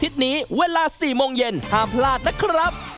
สวัสดีครับ